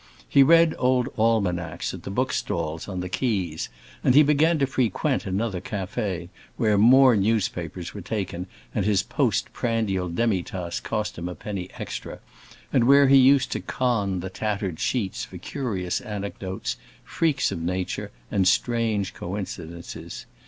He read old almanacs at the book stalls on the quays, and he began to frequent another café, where more newspapers were taken and his postprandial demitasse cost him a penny extra, and where he used to con the tattered sheets for curious anecdotes, freaks of nature, and strange coincidences.